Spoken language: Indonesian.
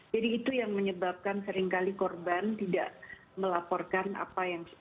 jadi itu yang menyebabkan seringkali korban tidak melaporkan apa yang